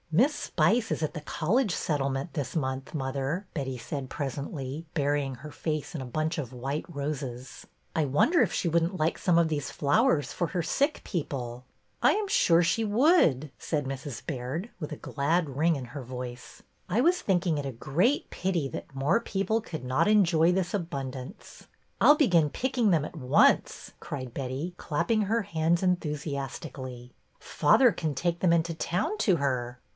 Miss Spice is at the College Settlement this month, mother," Betty said presently, burying her face in a bunch of white roses. I wonder if she would n't like some of these flowers for her sick people." '' I am sure she would," said Mrs. Baird, with a glad ring in her voice. I was thinking it a "MY MOTHER'S JOURNAL" 27 great pity that more people could not enjoy this abundance." '' I 'll begin picking them at once," cried Betty, clapping her hands enthusiastically. Father can take them into town to her."